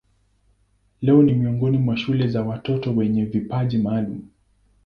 Leo ni miongoni mwa shule za watoto wenye vipaji maalumu.